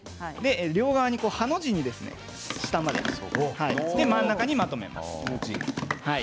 両側にハの字に下まで下ろして真ん中にまとめます。